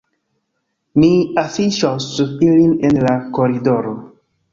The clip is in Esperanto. Mi afiŝos ilin en la koridoro